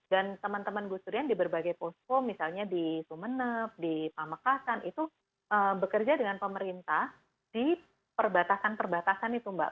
dan teman teman gus durian di berbagai posko misalnya di sumeneb di pamekasan itu bekerja dengan pemerintah di perbatasan perbatasan itu mbak